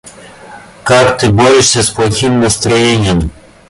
Как ты борешься с плохим настроением?